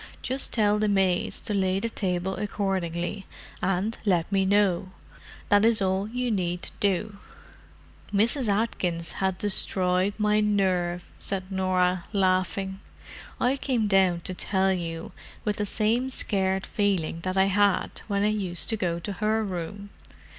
Just tell the maids to lay the table accordingly, and let me know—that is all you need do." "Mrs. Atkins had destroyed my nerve!" said Norah, laughing. "I came down to tell you with the same scared feeling that I had when I used to go to her room.